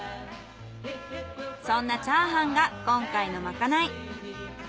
そんなチャーハンが今回のまかない。